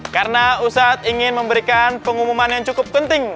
karena ustadz ingin memberikan pengumuman yang cukup penting